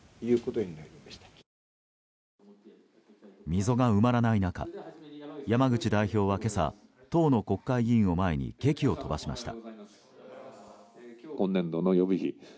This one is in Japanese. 溝が埋まらない中山口代表は今朝党の国会議員を前に檄を飛ばしました。